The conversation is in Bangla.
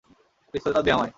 পিস্তলটা দে আমায়!